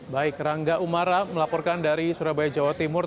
baik rangga umara melaporkan dari surabaya jawa timur